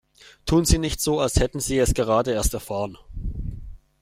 Tun Sie nicht so, als hätten Sie es gerade erst erfahren!